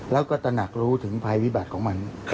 แล้วก็ตระหนักรู้ถึงภัยพิบัติของมัน